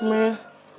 tungguin aku nanti